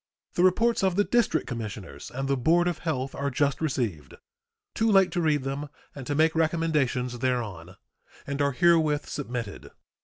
The reports of the District Commissioners and the board of health are just received too late to read them and to make recommendations thereon and are herewith submitted.